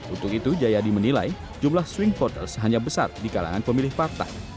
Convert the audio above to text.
untuk itu jayadi menilai jumlah swing voters hanya besar di kalangan pemilih partai